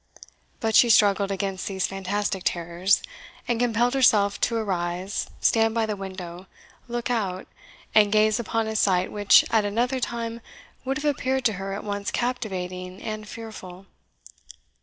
But she struggled against these fantastic terrors, and compelled herself to arise, stand by the window, look out, and gaze upon a sight which at another time would have appeared to her at once captivating and fearful.